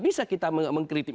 bisa kita mengkritik